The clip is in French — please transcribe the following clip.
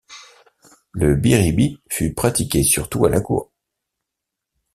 Le biribi fut pratiqué surtout à la cour.